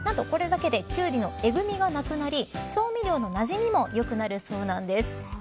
何とこれだけでキュウリのえぐ味がなくなり調味料のなじみもよくなるそうです。